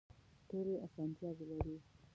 ټولې اسانتیاوې لري.